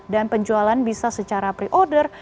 dan penjualan bisa secara pre order